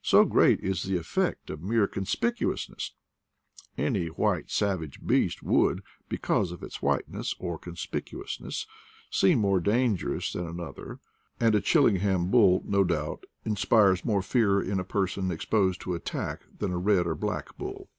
So great is the effect of mere conspicuousness ! Any white savage beast would, because of its whiteness, or conspicuousness, seem more dangerous than an other; and a Chillingham bull, no doubt, inspires more fear in a person exposed to attack than a red or black bull.